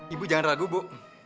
ibu jangan ragu bu